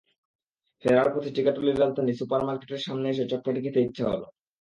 ফেরার পথে টিকাটুলির রাজধানী সুপার মার্কেটের সামনে এসে চটপটি খেতে ইচ্ছা হলো।